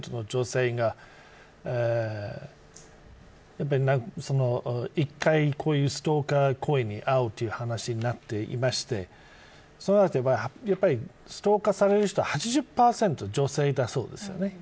調べてみると、アメリカでは８％の女性が一回、こういうストーカー行為に遭うという話になっていましてそうなるとストーカーされる人８０％は女性だそうですね。